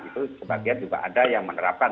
itu sebagian juga ada yang menerapkan